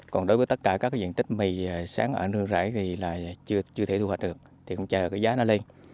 còn đối với tất cả các diện tích mì sáng ở nương rãi thì là chưa thể thu hoạch được thì cũng chờ cái giá nó lên